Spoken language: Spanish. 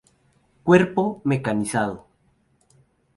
Cuerpo Mecanizado.